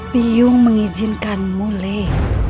byung mengizinkanmu lei